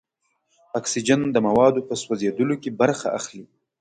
اکسیجن د موادو په سوځیدلو کې برخه اخلي.